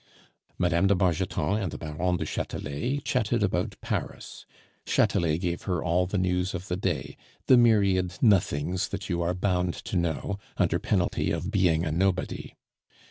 Mme. de Bargeton and the Baron de Chatelet chatted about Paris. Chatelet gave her all the news of the day, the myriad nothings that you are bound to know, under penalty of being a nobody.